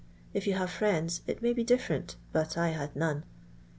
If you have friends it may be different, but I had none.